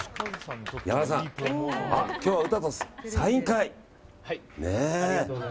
山田さん、今日は歌とサイン会。